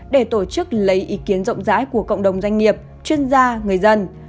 để tổ chức lấy ý kiến rộng rãi của cộng đồng doanh nghiệp chuyên gia người dân